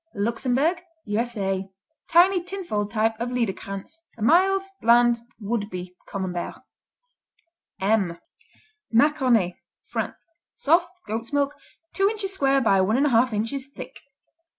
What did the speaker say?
Luxembourg U.S.A. Tiny tin foiled type of Liederkranz. A mild, bland, would be Camembert. M Maconnais France Soft; goat's milk; two inches square by one and a half inches thick.